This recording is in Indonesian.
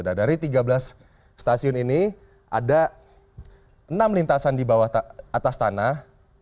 nah dari tiga belas stasiun ini ada enam lintasan di bawah atas tanah